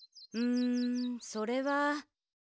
んそれは。